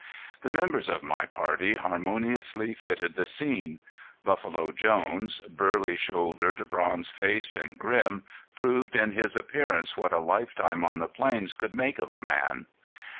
The members of my party harmoniously fitted the scene. Buffalo Jones, burly shouldered, bronze faced, and grim, proved in his appearance what a lifetime on the plains could make of a man.